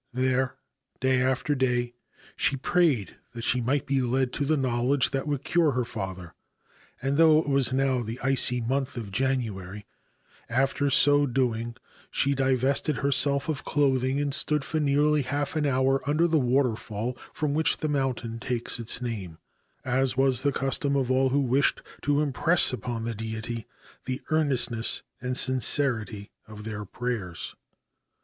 There, day after day, she prayed that she might be led to the knowledge that would cure her father, and, though it was now the icy month of January, after so doing she divested herself of clothing and stood for nearly half an hour under the waterfall from which the mountain takes its name, as was the custom of all who wished to impress upon the Deity the earnestness and sincerity of their prayers.